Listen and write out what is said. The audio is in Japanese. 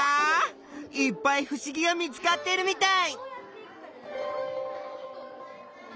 いっぱいふしぎが見つかってるみたい！